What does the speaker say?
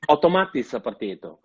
otomatis seperti itu